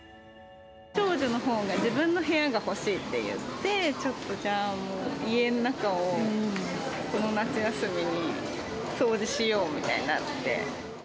長女のほうが、自分の部屋が欲しいって言って、ちょっとじゃあ、家の中をこの夏休みに掃除しようみたいになって。